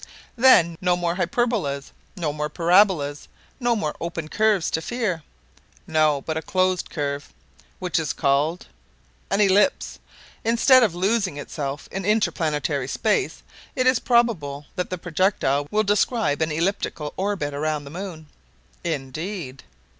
"Then, no more hyperbolas, no more parabolas, no more open curves to fear?" "No, but a closed curve." "Which is called—" "An ellipse. Instead of losing itself in interplanetary space, it is probable that the projectile will describe an elliptical orbit around the moon." "Indeed!"